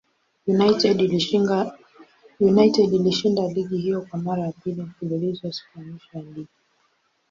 United ilishinda ligi hiyo kwa mara ya pili mfululizo siku ya mwisho ya ligi.